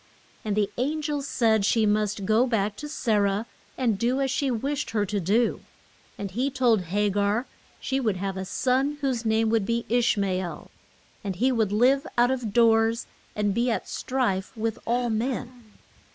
And the an gel said she must go back to Sa rah and do as she wished her to do. And he told Ha gar she would have a son whose name would be Ish ma el, and that he would live out of doors and be at strife with all men.